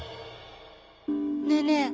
ねえねえ